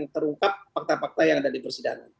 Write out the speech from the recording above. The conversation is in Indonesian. terungkap fakta fakta yang ada di persidangan